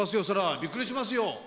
びっくりしますよ。